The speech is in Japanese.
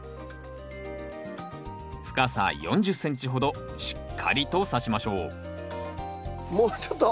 深さ４０ｃｍほどしっかりとさしましょうもうちょっと。